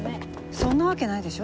そんなわけないでしょ